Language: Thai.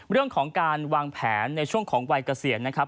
เรื่องของการวางแผนในช่วงของวัยเกษียณนะครับ